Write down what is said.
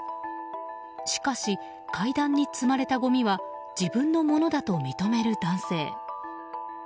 しかし、階段に積まれたごみは自分のものだと認める男性。